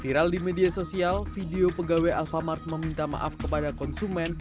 viral di media sosial video pegawai alfamart meminta maaf kepada konsumen